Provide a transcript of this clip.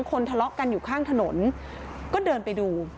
คนทะเลาะกันอยู่ข้างถนนก็เดินไปดู